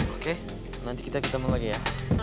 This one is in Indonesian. oke nanti kita ketemu lagi ya